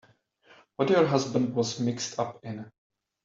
What your husband was mixed up in.